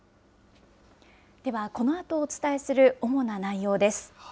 では、このあとお伝えする主な内容です。